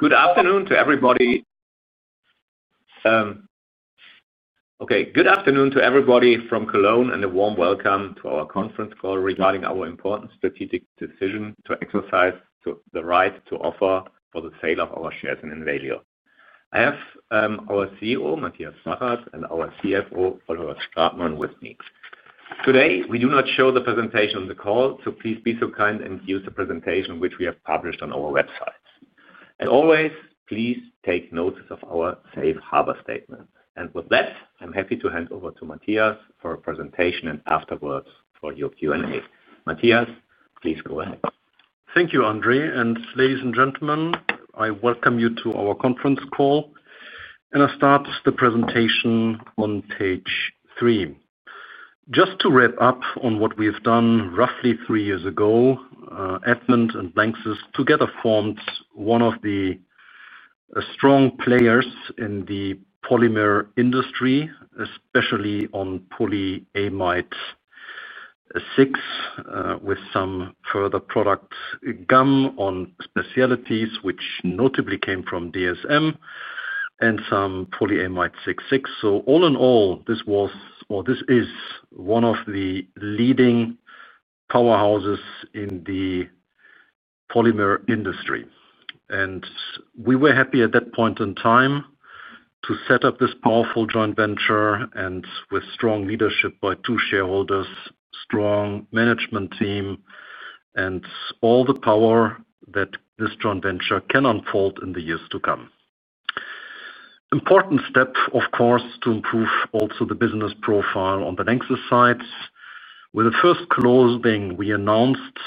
Good afternoon to everybody. Good afternoon to everybody from Cologne, and a warm welcome to our conference call regarding our important strategic decision to exercise the right to offer for the sale of our shares in Invia. I have our CEO, Matthias Zachert, and our CFO, Oliver Stratmann, with me. Today, we do not show the presentation on the call, so please be so kind and use the presentation which we have published on our website. Please take note of our safe harbor statement. With that, I'm happy to hand over to Matthias for a presentation and afterwards for your Q&A. Matthias, please go ahead. Thank you, Andre. Ladies and gentlemen, I welcome you to our conference call. I start the presentation on page three. Just to wrap up on what we've done roughly three years ago, Advent and LANXESS together formed one of the strong players in the polymer industry, especially on polyamide 6, with some further products, gum on specialties, which notably came from DSM and some polyamide 66. All in all, this was, or this is, one of the leading powerhouses in the polymer industry. We were happy at that point in time to set up this powerful joint venture with strong leadership by two shareholders, a strong management team, and all the power that this joint venture can unfold in the years to come. An important step, of course, to improve also the business profile on the LANXESS side. With the first closing, we announced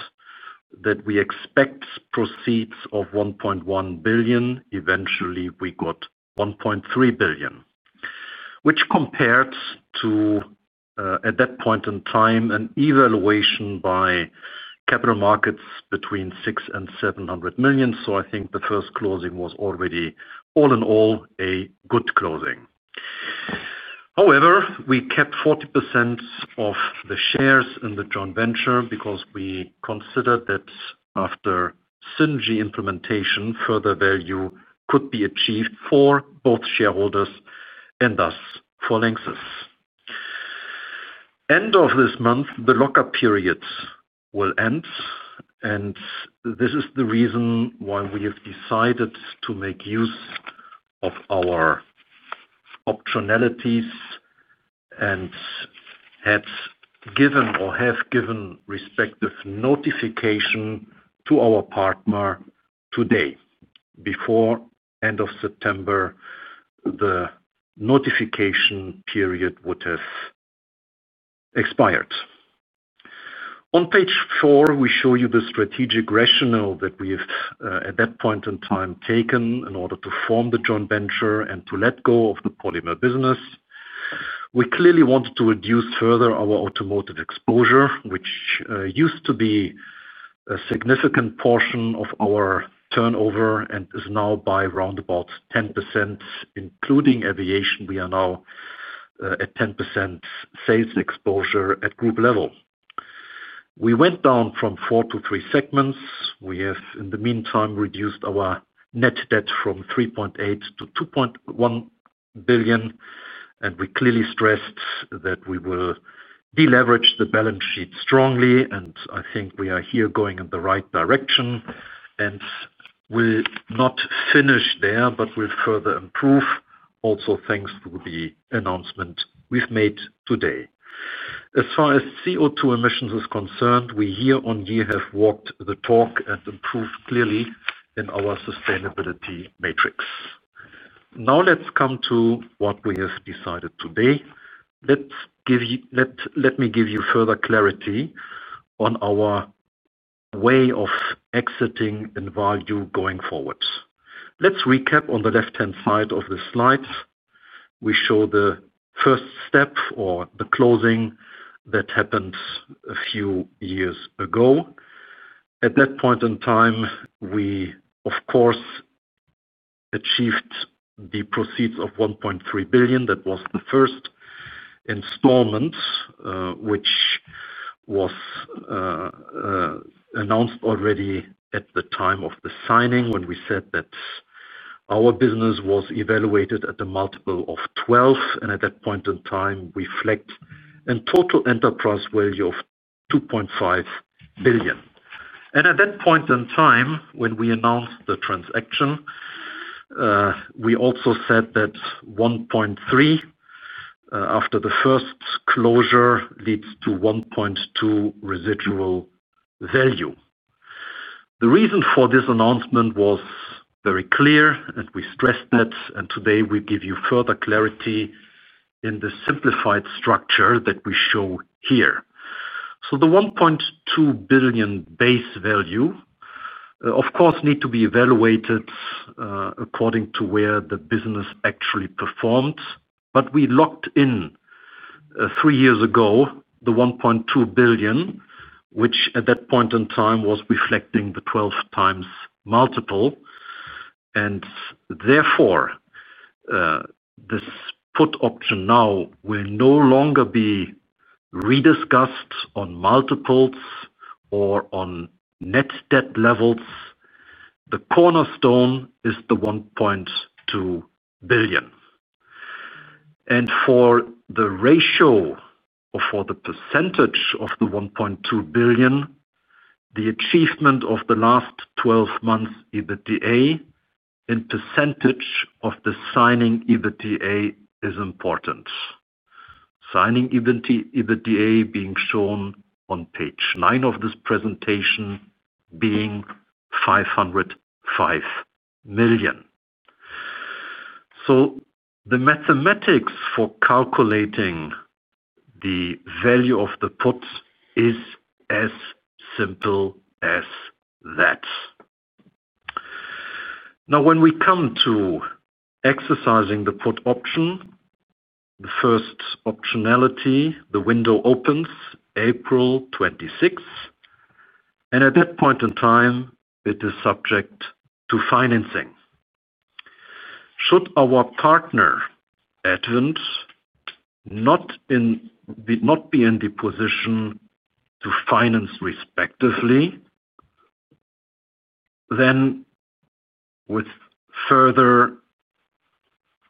that we expect proceeds of 1.1 billion. Eventually, we got 1.3 billion, which compared to, at that point in time, an evaluation by capital markets between 600 million and 700 million. I think the first closing was already, all in all, a good closing. However, we kept 40% of the shares in the joint venture because we considered that after synergy implementation, further value could be achieved for both shareholders and us, for LANXESS. End of this month, the lockup period will end. This is the reason why we have decided to make use of our optionalities and have given respective notification to our partner today. Before end of September, the notification period would have expired. On page four, we show you the strategic rationale that we have, at that point in time, taken in order to form the joint venture and to let go of the polymer business. We clearly wanted to reduce further our automotive exposure, which used to be a significant portion of our turnover and is now by around about 10%, including aviation. We are now at 10% sales exposure at group level. We went down from four to three segments. We have, in the meantime, reduced our net debt from 3.8 billion to 2.1 billion. We clearly stressed that we will deleverage the balance sheet strongly. I think we are here going in the right direction. We will not finish there, but will further improve, also thanks to the announcement we've made today. As far as CO2 emissions are concerned, we year on year have walked the talk and improved clearly in our sustainability matrix. Now let's come to what we have decided today. Let me give you further clarity on our way of exiting in value going forward. Let's recap on the left-hand side of the slides. We show the first step or the closing that happened a few years ago. At that point in time, we, of course, achieved the proceeds of 1.3 billion. That was the first installment, which was announced already at the time of the signing when we said that our business was evaluated at a multiple of 12. At that point in time, we flagged a total enterprise value of 2.5 billion. At that point in time, when we announced the transaction, we also said that 1.3 billion after the first closure leads to 1.2 billion residual value. The reason for this announcement was very clear, and we stressed that. Today, we give you further clarity in the simplified structure that we show here. The 1.2 billion base value, of course, needs to be evaluated according to where the business actually performed. We locked in three years ago the 1.2 billion, which at that point in time was reflecting the 12x multiple. Therefore, this put option now will no longer be rediscussed on multiples or on net debt levels. The cornerstone is the 1.2 billion. For the ratio or for the percentage of the 1.2 billion, the achievement of the last 12 months EBITDA in percentage of the signing EBITDA is important. Signing EBITDA being shown on page nine of this presentation being EUR 505 million. The mathematics for calculating the value of the put is as simple as that. Now, when we come to exercising the put option, the first optionality, the window opens April 2026. At that point in time, it is subject to financing. Should our partner, Advent, not be in the position to finance respectively, then with further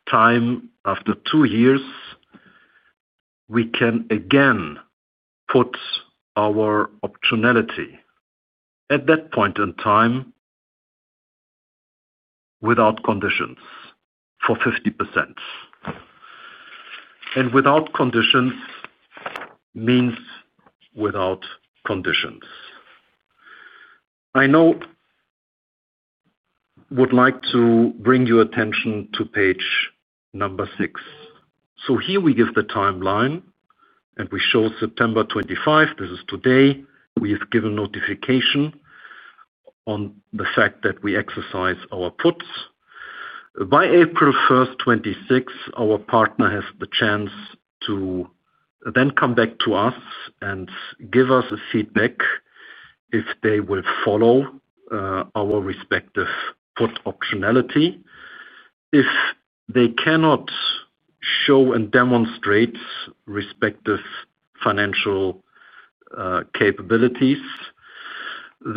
time after two years, we can again put our optionality at that point in time without conditions for 50%. Without conditions means without conditions. I would like to bring your attention to page number six. Here we give the timeline, and we show September 2025. This is today. We have given notification on the fact that we exercise our puts. By April 1st, 2026, our partner has the chance to then come back to us and give us a feedback if they will follow our respective put optionality. If they cannot show and demonstrate respective financial capabilities,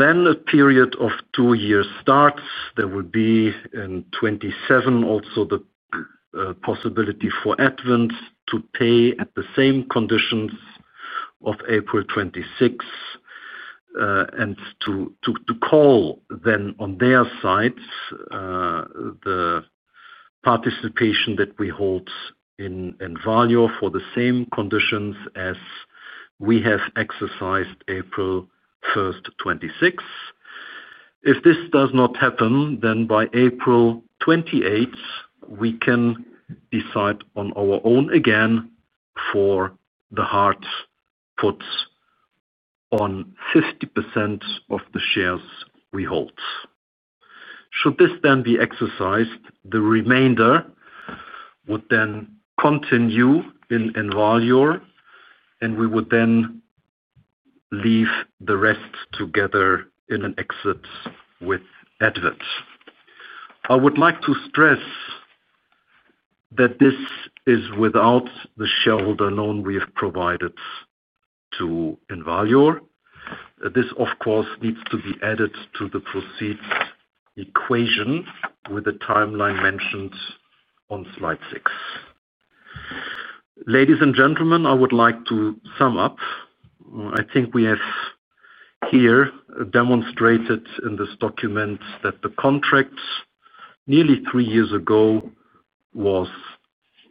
a period of two years starts. There will be, in 2027, also the possibility for Advent to pay at the same conditions of April 26th and to call then on their side the participation that we hold in value for the same conditions as we have exercised April 1st, 2026. If this does not happen, then by April 28th, we can decide on our own again for the hard puts on 50% of the shares we hold. Should this then be exercised, the remainder would then continue in Envalior, and we would then leave the rest together in an exit with Advent. I would like to stress that this is without the shareholder loan we have provided to Envalior. This, of course, needs to be added to the proceeds equation with the timeline mentioned on slide six. Ladies and gentlemen, I would like to sum up. I think we have here demonstrated in this document that the contract nearly three years ago was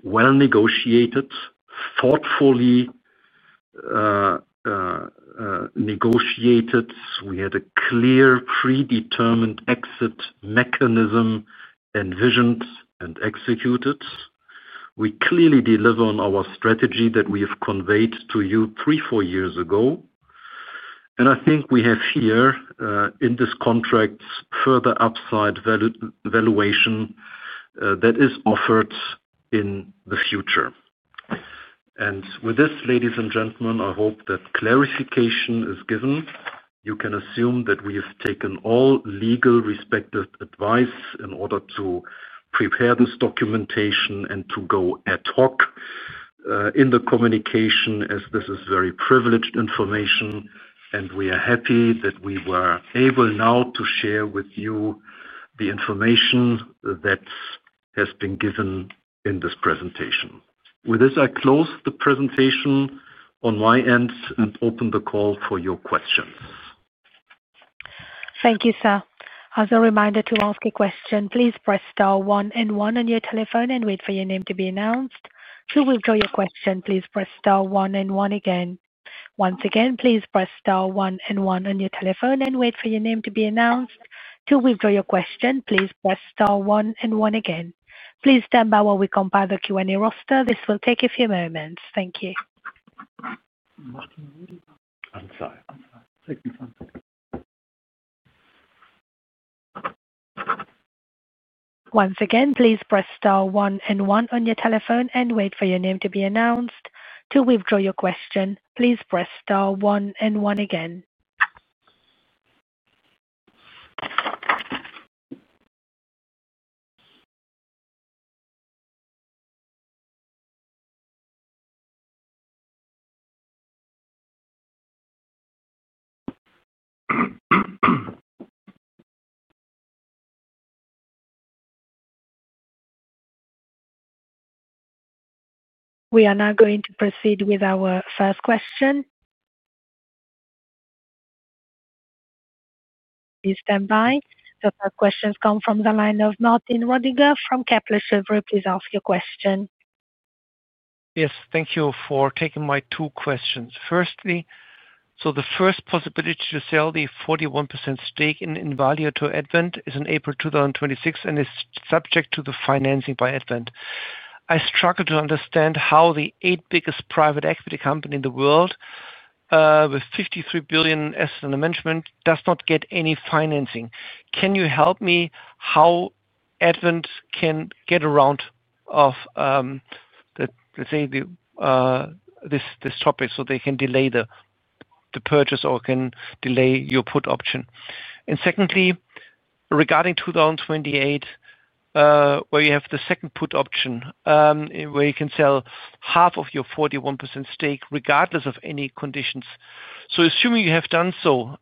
well negotiated, thoughtfully negotiated. We had a clear predetermined exit mechanism envisioned and executed. We clearly deliver on our strategy that we have conveyed to you three, four years ago. I think we have here in this contract further upside valuation that is offered in the future. With this, ladies and gentlemen, I hope that clarification is given. You can assume that we have taken all legal respective advice in order to prepare this documentation and to go ad hoc in the communication as this is very privileged information. We are happy that we were able now to share with you the information that has been given in this presentation. With this, I close the presentation on my end and open the call for your questions. Thank you, sir. As a reminder, to ask a question, please press star one and one on your telephone and wait for your name to be announced. To withdraw your question, please press star one and one again. Once again, please press star one and one on your telephone and wait for your name to be announced. To withdraw your question, please press star one and one again. Please stand by while we compile the Q&A roster. This will take a few moments. Thank you. Once again, please press star one and one on your telephone and wait for your name to be announced. To withdraw your question, please press star one and one again. We are now going to proceed with our first question. Please stand by. The first question has come from the line of Martin Roediger from Kepler Cheuvreux. Please ask your question. Yes. Thank you for taking my two questions. Firstly, the first possibility to sell the 41% stake in Envalior to Advent is in April 2026 and is subject to the financing by Advent. I struggle to understand how the eight biggest private equity companies in the world, with 53 billion assets under management, do not get any financing. Can you help me how Advent can get around, let's say, this topic so they can delay the purchase or can delay your put option? Secondly, regarding 2028, where you have the second put option, where you can sell half of your 41% stake regardless of any conditions. Assuming you have done so,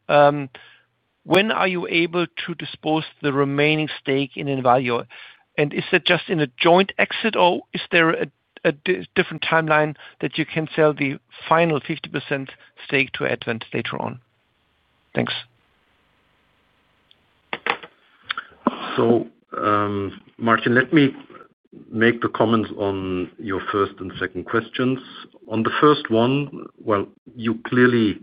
when are you able to dispose of the remaining stake in Invia? Is that just in a joint exit, or is there a different timeline that you can sell the final 50% stake to Advent later on? Thanks. Martin, let me make the comments on your first and second questions. On the first one, you clearly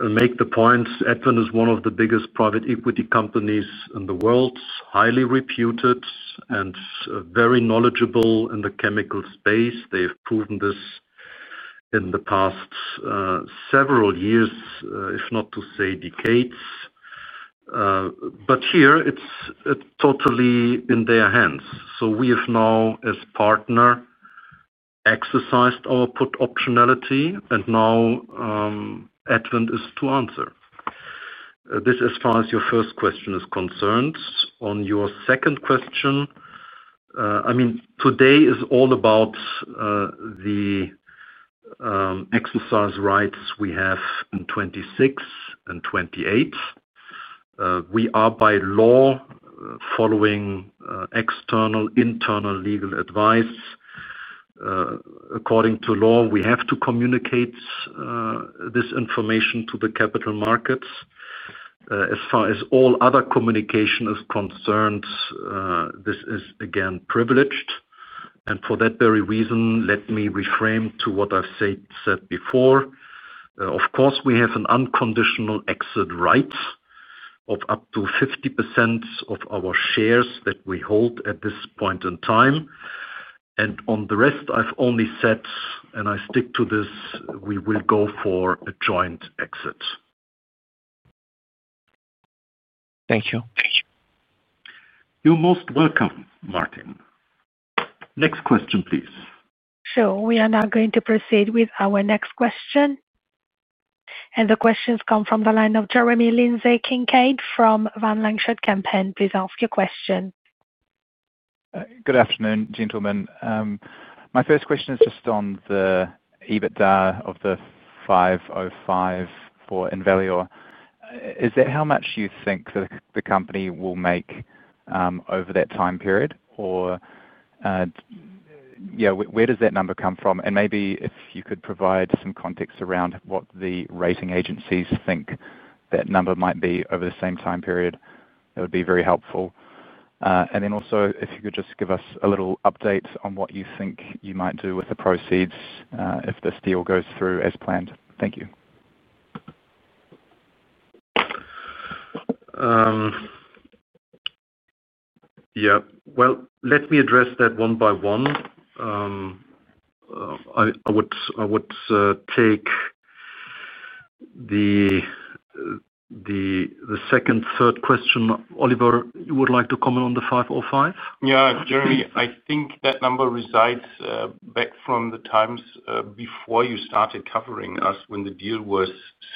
make the points. Advent is one of the biggest private equity companies in the world, highly reputed, and very knowledgeable in the chemical space. They have proven this in the past several years, if not to say decades. Here, it's totally in their hands. We have now, as partner, exercised our put optionality, and now Advent is to answer. This, as far as your first question is concerned. On your second question, today is all about the exercise rights we have in 2026 and 2028. We are, by law, following external and internal legal advice. According to law, we have to communicate this information to the capital markets. As far as all other communication is concerned, this is again privileged. For that very reason, let me reframe to what I've said before. Of course, we have an unconditional exit right of up to 50% of our shares that we hold at this point in time. On the rest, I've only said, and I stick to this, we will go for a joint exit. Thank you. You're most welcome, Martin. Next question, please. Sure. We are now going to proceed with our next question. The question has come from the line of Jeremy Lindsay Kincaid from Van Lanschot Kempen. Please ask your question. Good afternoon, gentlemen. My first question is just on the EBITDA of the 505 million for Envalior. Is that how much you think the company will make over that time period, or, yeah, where does that number come from? If you could provide some context around what the rating agencies think that number might be over the same time period, that would be very helpful. If you could just give us a little update on what you think you might do with the proceeds if this deal goes through as planned. Thank you. Let me address that one by one. I would take the second, third question. Oliver, you would like to comment on the 505? Yeah. Jeremy, I think that number resides back from the times before you started covering us when the deal was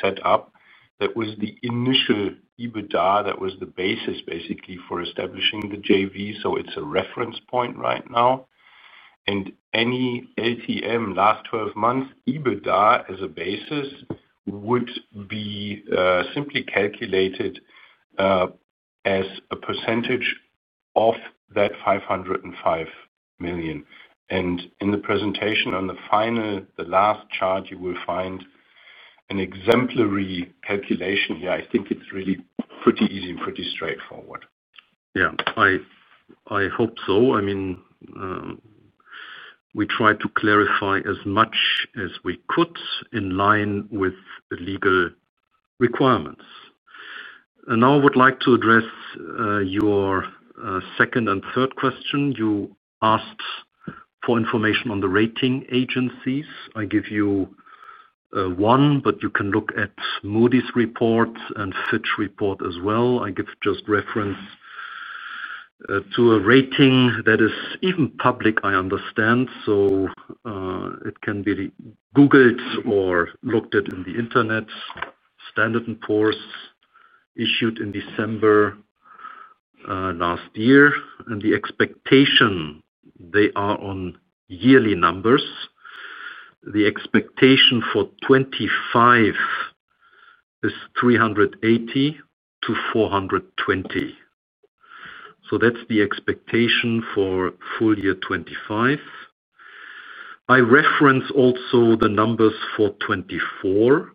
set up. That was the initial EBITDA. That was the basis, basically, for establishing the JV. It's a reference point right now. Any at-the-moment last 12 months' EBITDA as a basis would be simply calculated as a percentage of that 505 million. In the presentation on the final, the last chart, you will find an exemplary calculation here. I think it's really pretty easy and pretty straightforward. Yeah. I hope so. I mean, we tried to clarify as much as we could in line with legal requirements. Now I would like to address your second and third question. You asked for information on the rating agencies. I give you one, but you can look at Moody's report and Fitch report as well. I give just reference to a rating that is even public, I understand. It can be googled or looked at in the internet. Standard & Poor's issued in December last year. The expectation, they are on yearly numbers. The expectation for 2025 is 380-420. That's the expectation for full year 2025. I reference also the numbers for 2024.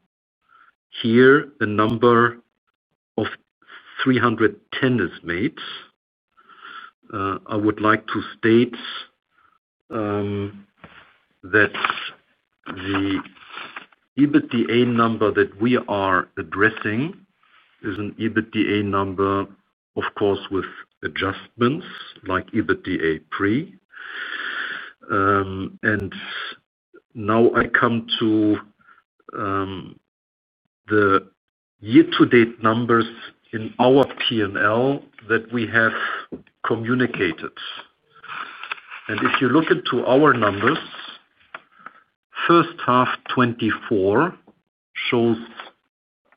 Here, the number of 310 is made. I would like to state that the EBITDA number that we are addressing is an EBITDA number, of course, with adjustments like EBITDA pre. Now I come to the year-to-date numbers in our TNL that we have communicated. If you look into our numbers, first half 2024 showed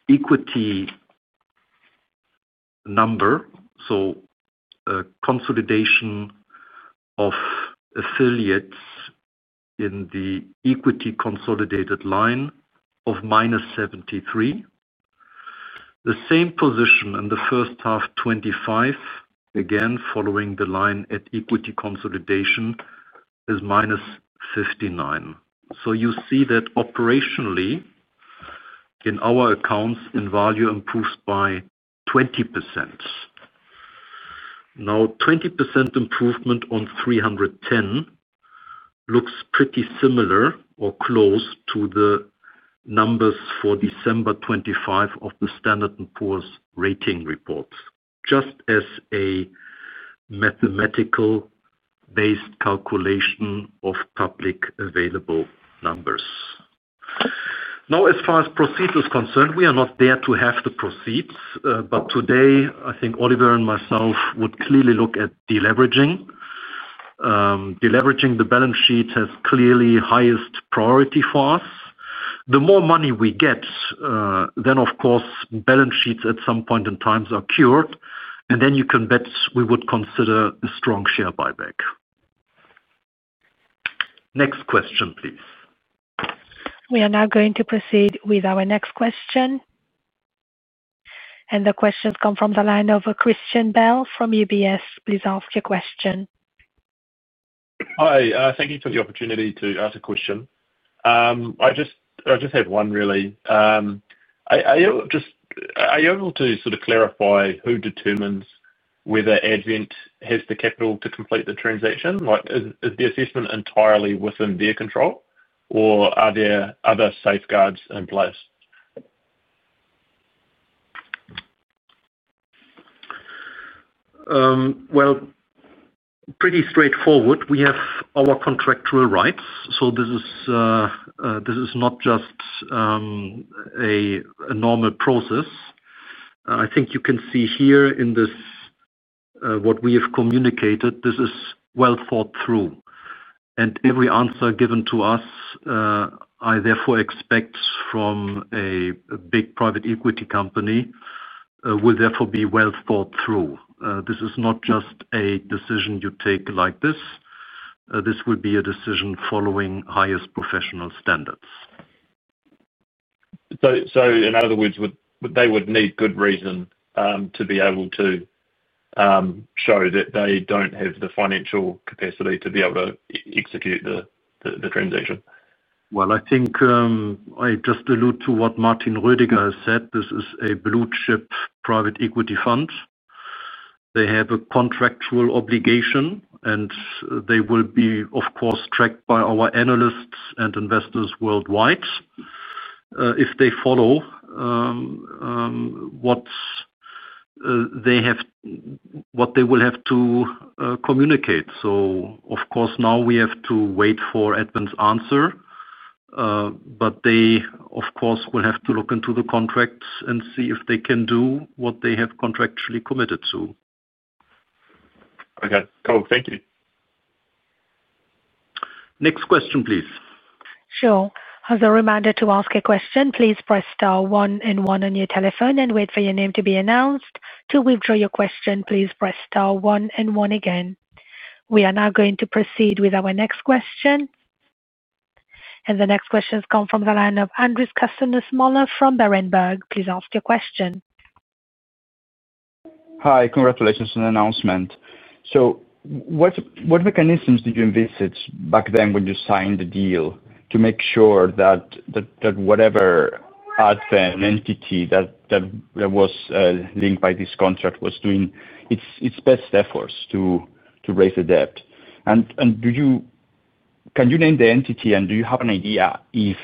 equity number, so consolidation of affiliates in the equity consolidated line of -73. The same position in the first half 2025, again following the line at equity consolidation, is -59. You see that operationally, in our accounts, Envalior improved by 20%. Now, 20% improvement on 310 looks pretty similar or close to the numbers for December 2025 of the Standard & Poor's rating report, just as a mathematical-based calculation of public available numbers. As far as proceeds is concerned, we are not there to have the proceeds. Today, I think Oliver and myself would clearly look at deleveraging. Deleveraging the balance sheet has clearly highest priority for us. The more money we get, of course, balance sheets at some point in time are cured. You can bet we would consider a strong share buyback. Next question, please. We are now going to proceed with our next question. The question has come from the line of Christian Bell from UBS. Please ask your question. Hi. Thank you for the opportunity to ask a question. I just had one, really. Are you able to sort of clarify who determines whether Advent has the capital to complete the transaction? Like, is the assessment entirely within their control, or are there other safeguards in place? We have our contractual rights. This is not just a normal process. I think you can see here in this what we have communicated, this is well thought through. Every answer given to us, I therefore expect from a big private equity company, will therefore be well thought through. This is not just a decision you take like this. This will be a decision following highest professional standards. In other words, they would need good reason to be able to show that they don't have the financial capacity to be able to execute the transaction. I think I just allude to what Martin Roediger has said. This is a blue-chip private equity fund. They have a contractual obligation, and they will be, of course, tracked by our analysts and investors worldwide if they follow what they will have to communicate. Of course, now we have to wait for Advent's answer. They, of course, will have to look into the contracts and see if they can do what they have contractually committed to. Okay, cool. Thank you. Next question, please. Sure. As a reminder to ask a question, please press star one and one on your telephone and wait for your name to be announced. To withdraw your question, please press star one and one again. We are now going to proceed with our next question. The next question has come from the line of Andres Castanos-Mollor from Berenberg. Please ask your question. Hi. Congratulations on the announcement. What mechanisms did you envisage back then when you signed the deal to make sure that whatever admin entity that was linked by this contract was doing its best efforts to raise the debt? Can you name the entity, and do you have an idea if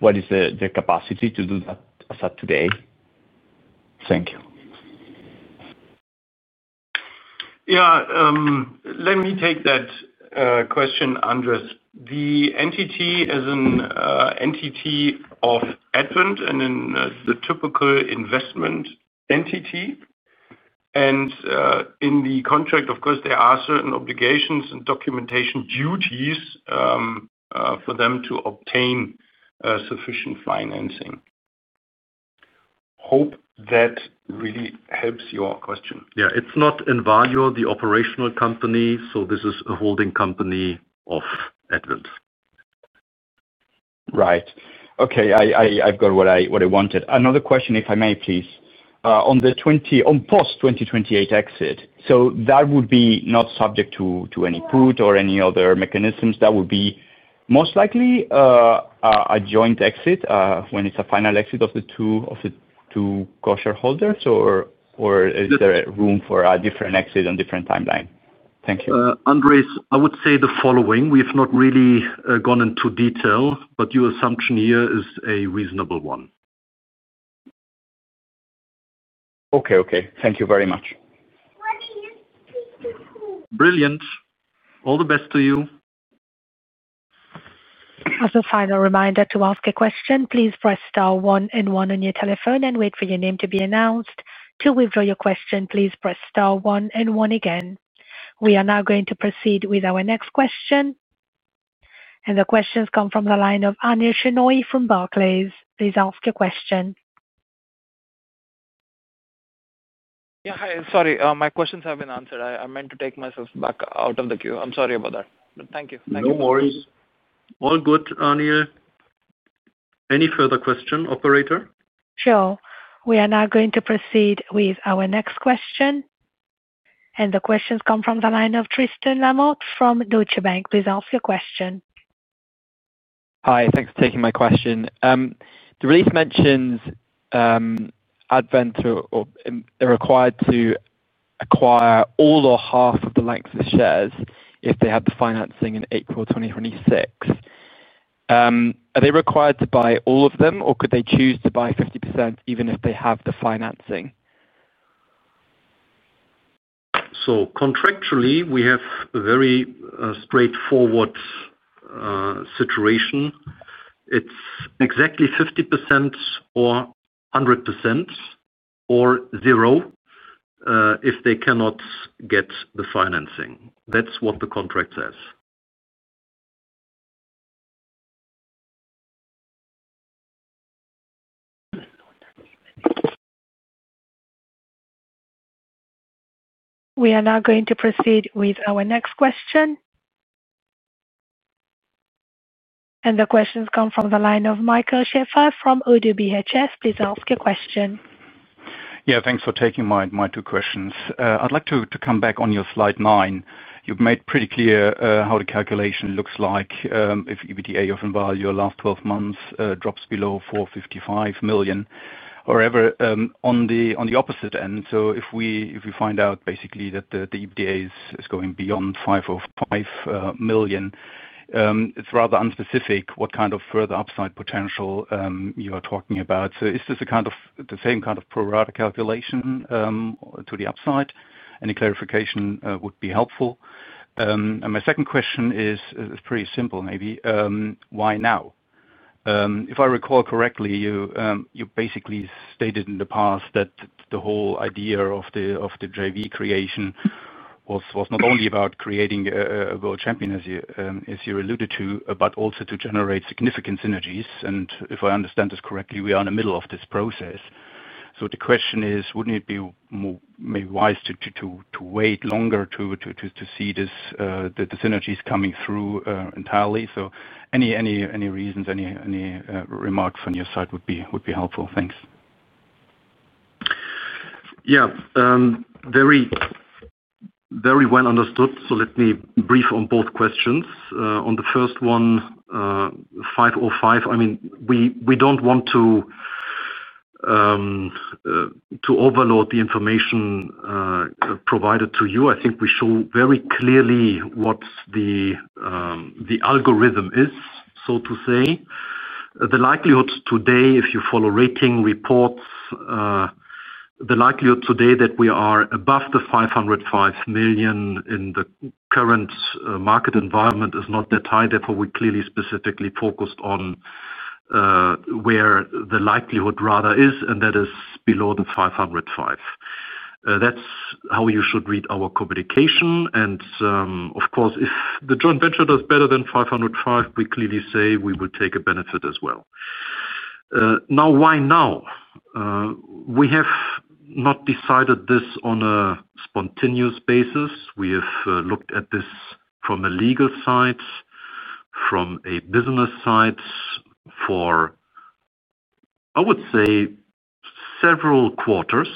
what is the capacity to do that as at today? Thank you. Yeah. Let me take that question, Andres. The entity is an entity of Advent and then the typical investment entity. In the contract, of course, there are certain obligations and documentation duties for them to obtain sufficient financing. Hope that really helps your question. Yeah. It's not Envalior, the operational company. This is a holding company of Advent. Right. Okay. I've got what I wanted. Another question, if I may, please. On the post-2028 exit, so that would be not subject to any put or any other mechanisms. That would be most likely a joint exit when it's a final exit of the two core shareholders. Is there a room for a different exit and different timeline? Thank you. I would say the following. We have not really gone into detail, but your assumption here is a reasonable one. Okay. Thank you very much. Brilliant. All the best to you. As a final reminder to ask a question, please press star one and one on your telephone and wait for your name to be announced. To withdraw your question, please press star one and one again. We are now going to proceed with our next question. The question has come from the line of Anil Shenoy from Barclays. Please ask your question. Hi. Sorry. My questions have been answered. I meant to take myself back out of the queue. I'm sorry about that. Thank you. Thank you. No worries. All good, Anil. Any further question, operator? Sure. We are now going to proceed with our next question. The question has come from the line of Tristan Lamotte from Deutsche Bank. Please ask your question. Hi. Thanks for taking my question. The release mentions Advent are required to acquire all or half of the LANXESS shares if they have the financing in April 2026. Are they required to buy all of them, or could they choose to buy 50% even if they have the financing? Contractually, we have a very straightforward situation. It's exactly 50% or 100% or 0% if they cannot get the financing. That's what the contract says. We are now going to proceed with our next question. The question has come from the line of Michael Schaefer from ODDO BHF. Please ask your question. Yeah. Thanks for taking my two questions. I'd like to come back on your slide nine. You've made pretty clear how the calculation looks like if EBITDA of Envalior last 12 months drops below 455 million. However, on the opposite end, if we find out basically that the EBITDA is going beyond 505 million, it's rather unspecific what kind of further upside potential you are talking about. Is this the same kind of pro-rata calculation to the upside? Any clarification would be helpful. My second question is pretty simple, maybe. Why now? If I recall correctly, you basically stated in the past that the whole idea of the joint venture creation was not only about creating a world champion, as you alluded to, but also to generate significant synergies. If I understand this correctly, we are in the middle of this process. The question is, wouldn't it be more maybe wise to wait longer to see the synergies coming through entirely? Any reasons, any remarks from your side would be helpful. Thanks. Very well understood. Let me brief on both questions. On the first one, 505 million, I mean, we don't want to overload the information provided to you. I think we show very clearly what the algorithm is, so to say. The likelihood today, if you follow rating reports, the likelihood today that we are above the 505 million in the current market environment is not that high. Therefore, we clearly specifically focused on where the likelihood rather is, and that is below the 505 million. That's how you should read our communication. Of course, if the joint venture does better than 505 million, we clearly say we will take a benefit as well. Now, why now? We have not decided this on a spontaneous basis. We have looked at this from a legal side, from a business side for, I would say, several quarters.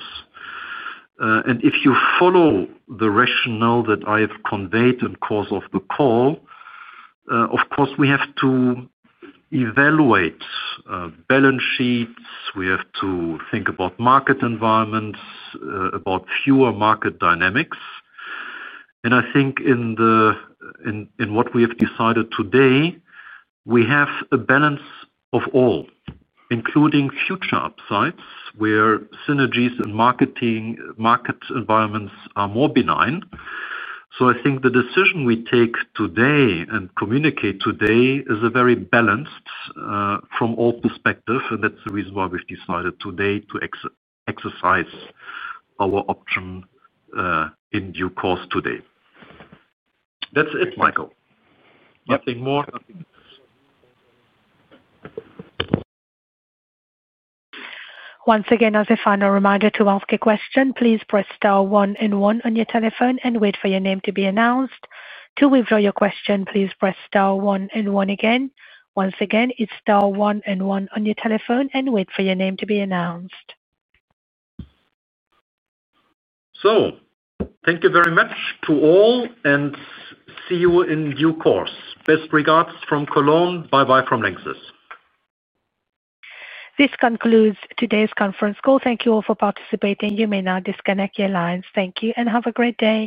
If you follow the rationale that I have conveyed in the course of the call, of course, we have to evaluate balance sheets. We have to think about market environments, about fewer market dynamics. I think in what we have decided today, we have a balance of all, including future upsides where synergies and market environments are more benign. I think the decision we take today and communicate today is very balanced from all perspectives. That's the reason why we've decided today to exercise our option in due course today. That's it, Michael. Nothing more. Once again, as a final reminder to ask a question, please press star one and one on your telephone and wait for your name to be announced. To withdraw your question, please press star one and one again. Once again, it's star one and one on your telephone and wait for your name to be announced. Thank you very much to all and see you in due course. Best regards from Cologne. Bye-bye from LANXESS. This concludes today's conference call. Thank you all for participating. You may now disconnect your lines. Thank you and have a great day.